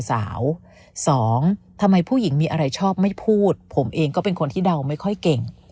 สองทำไมผู้หญิงมีอะไรชอบไม่พูดผมเองก็เป็นคนที่เดาไม่ค่อยเก่ง